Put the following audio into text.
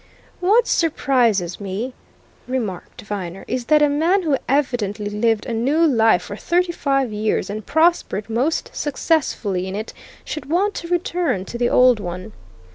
"What surprises me," remarked Viner, "is that a man who evidently lived a new life for thirty five years and prospered most successfully in it, should want to return to the old one."